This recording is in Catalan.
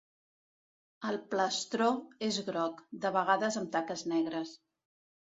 El plastró és groc, de vegades amb taques negres.